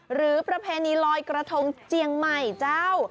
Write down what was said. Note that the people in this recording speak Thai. ประเพณีลอยกระทงเจียงใหม่เจ้า